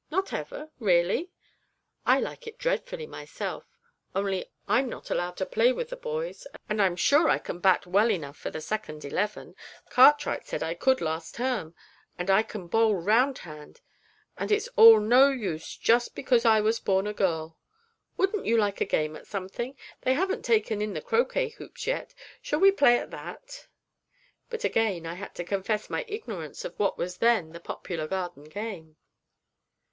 Not ever, really? I like it dreadfully myself, only I'm not allowed to play with the boys, and I'm sure I can bat well enough for the second eleven Cartwright said I could last term and I can bowl round hand, and it's all no use, just because I was born a girl! Wouldn't you like a game at something? They haven't taken in the croquet hoops yet; shall we play at that?' But again I had to confess my ignorance of what was then the popular garden game.